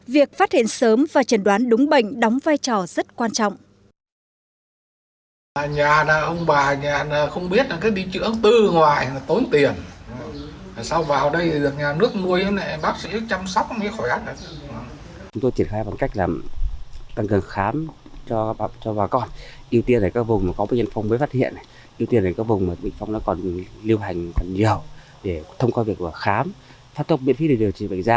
việc phát hiện sớm và chấn đoán đúng bệnh đóng vai trò rất quan trọng